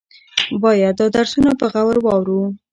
باید دا درسونه په غور واورو.